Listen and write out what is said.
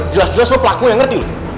jelas jelas lo pelakunya ngerti lo